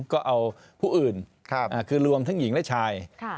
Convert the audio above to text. ก็เอาผู้อื่นคือรวมทั้งหญิงและชาย